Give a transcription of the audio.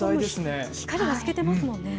光が透けてますもんね。